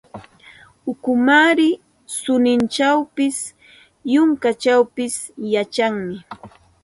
Ukumaari suninchawpis, yunkachawpis yachanmi.